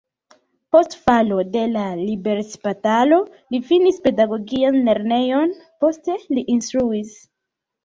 Post falo de la liberecbatalo li finis pedagogian lernejon, poste li instruis.